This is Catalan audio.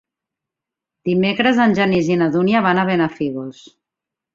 Dimecres en Genís i na Dúnia van a Benafigos.